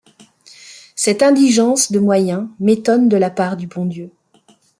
Cette indigence de moyens m’étonne de la part du bon Dieu.